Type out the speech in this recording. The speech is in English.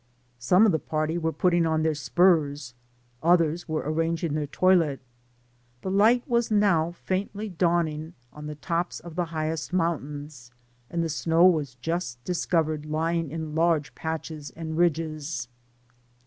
Some of the party were putting on their spurs ; others were arranging their toilette. The light was now faintly dawning on the tops of the highest mountains, and the snow was just dis covered lying in large patches tod ridges.